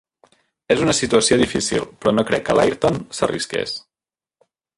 És una situació difícil, però no crec que l'Ayrton s'arrisqués.